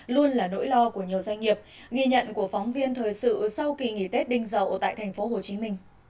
luôn là nỗi lo của nhiều doanh nghiệp ghi nhận của phóng viên thời sự sau kỳ nghỉ tết đinh giàu tại tp hcm